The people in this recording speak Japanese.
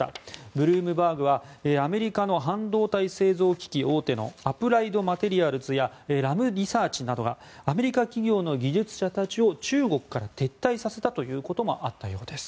ブルームバーグはアメリカの半導体製造機器大手のアプライド・マテリアルズやラムリサーチなどがアメリカ企業の技術者たちを中国から撤退させたということもあったようです。